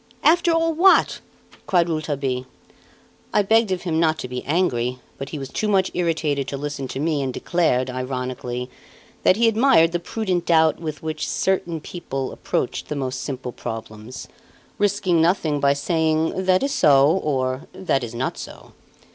After all what?" cried Rouletabille. I begged of him not to be angry; but he was too much irritated to listen to me and declared, ironically, that he admired the prudent doubt with which certain people approached the most simple problems, risking nothing by saying "that is so, or 'that is not so."